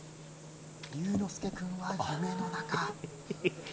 龍之介君は夢の中。